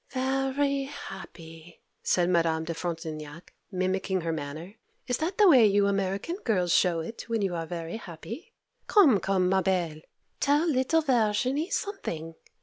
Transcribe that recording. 'Very happy!' said Madame de Frontignac, mimicking her manner. 'Is that the way you American girls show it when you are very happy? Come, come, ma belle, tell little Verginie something.